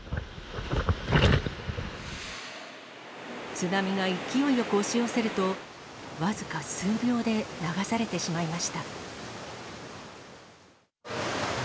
津波が勢いよく押し寄せると、僅か数秒で流されてしまいました。